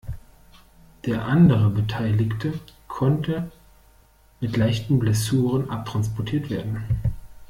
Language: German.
Die andere Beteiligte konnte mit leichten Blessuren abtransportiert werden.